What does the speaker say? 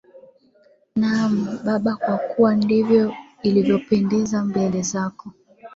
Naam Baba kwa kuwa ndivyo ilivyopendeza mbele zako